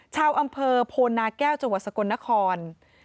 ชาวอำเภอโพนาแก้วจังหวัดสกลนคร